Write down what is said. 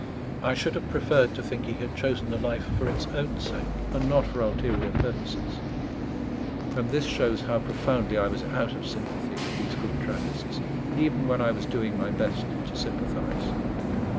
I should have preferred to think he had chosen the life for its own sake, and not for ulterior purposes; and this shows how profoundly I was out of sympathy with these good Trappists, even when I was doing my best to sympathize.